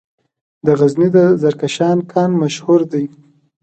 د غزني د زرکشان کان مشهور دی